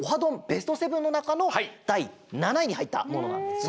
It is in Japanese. ベスト７のなかのだい７位にはいったものなんですね。